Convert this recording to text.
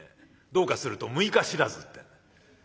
どうかすると「六日知らず」ってんで。